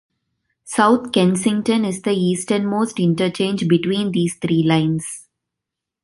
South Kensington is the easternmost interchange between these three lines.